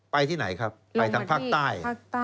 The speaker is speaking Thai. ไปที่ไหนครับไปทางภาคใต้